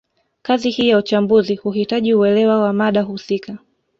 Kazi hii ya uchambuzi huhitaji uelewa wa mada husika